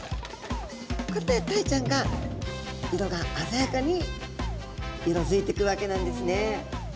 こうやってタイちゃんが色があざやかに色づいてくわけなんですね。